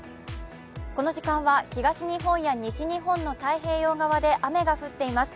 この時間は東日本や西日本の太平洋側で雨が降っています。